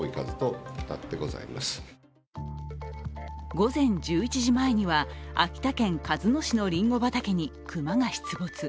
午前１１時前には秋田県鹿角市のりんご畑に熊が出没。